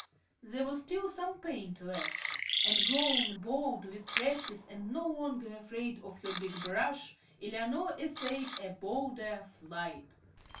There was still some paint left; and grown bold with practice and no longer afraid of her big brush, Eleanor essayed a bolder flight.